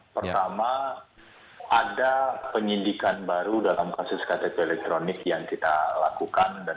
pertama ada penyidikan baru dalam kasus ktp elektronik yang kita lakukan